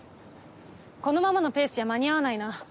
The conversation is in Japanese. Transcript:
このままのペースじゃ間に合わないな。